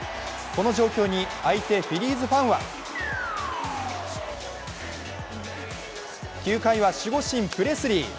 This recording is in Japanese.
この状況に相手・フィリーズファンは９回は守護神・プレスリー。